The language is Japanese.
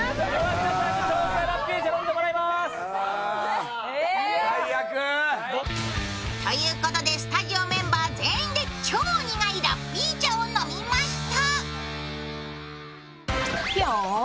皆さんに超苦いラッピー茶飲んでいただきます。ということでスタジオメンバー全員で超苦いラッピー茶を飲みました。